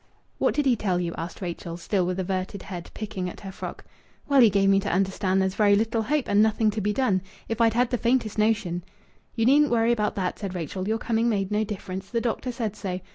"What did he tell you?" asked Rachel, still with averted head, picking at her frock. "Well, he gave me to understand there's very little hope, and nothing to be done. If I'd had the faintest notion " "You needn't worry about that," said Rachel. "Your coming made no difference. The doctor said so."